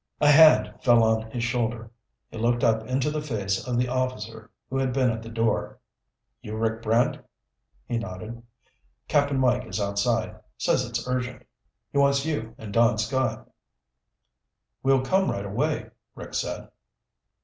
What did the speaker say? A hand fell on his shoulder. He looked up into the face of the officer who had been at the door. "You Rick Brant?" He nodded. "Cap'n Mike is outside. Says it's urgent. He wants you and Don Scott." "We'll come right away," Rick said.